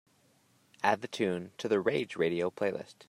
Add the tune to the Rage Radio playlist.